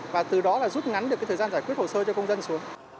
và từ đó là rút ngắn được cái thời gian giải quyết hồ sơ cho công dân xuống